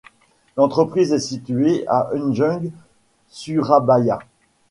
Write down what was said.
L'entreprise est située à Ujung, Surabaya.